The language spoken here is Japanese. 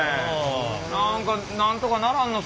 何かなんとかならんの？